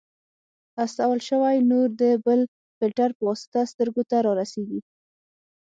استول شوی نور د بل فلټر په واسطه سترګو ته رارسیږي.